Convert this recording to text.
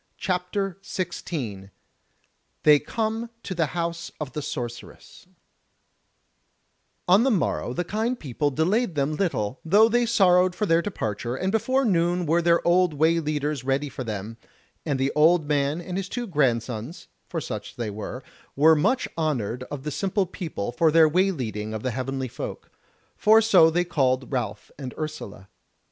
CHAPTER 16 They Come to the House of the Sorceress On the morrow the kind people delayed them little, though they sorrowed for their departure, and before noon were their old way leaders ready for them; and the old man and his two grandsons (for such they were) were much honoured of the simple people for their way leading of the Heavenly Folk; for so they called Ralph and Ursula.